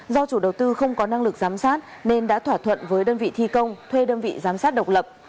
do chủ đầu tư không có năng lực giám sát nên đã thỏa thuận với đơn vị thi công thuê đơn vị giám sát độc lập